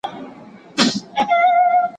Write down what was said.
لاره معلومه کړئ.